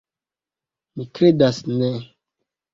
Mi kredas ne.